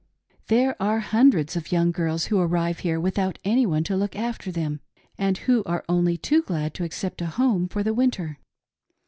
There are hundreds of young girls who arrive here without any one to look after them, and who are only too glad to accept a home for the winter.